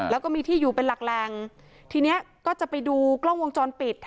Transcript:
แล้วก็มีที่อยู่เป็นหลักแหล่งทีเนี้ยก็จะไปดูกล้องวงจรปิด